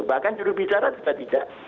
bahkan judul bicara juga tidak